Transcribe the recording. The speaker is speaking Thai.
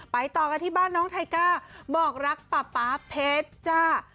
ต่อกันที่บ้านน้องไทก้าบอกรักป๊าป๊าเพชรจ้า